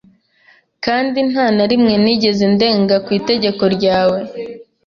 kandi nta na rimwe nigeze ndenga ku itegeko ryawe.